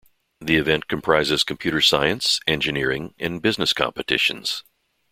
The event comprises computer science, engineering and business competitions.